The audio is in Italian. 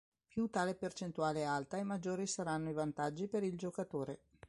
Più tale percentuale è alta e maggiori saranno i vantaggi per il giocatore.